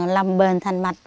làm bền thành mạch